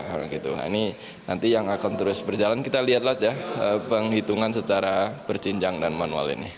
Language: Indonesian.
nah ini nanti yang akan terus berjalan kita lihatlah ya penghitungan secara berjinjang dan manual ini